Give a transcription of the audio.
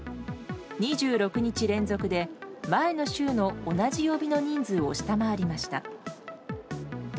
２６日連続で前の週の同じ曜日の人数を下回りました。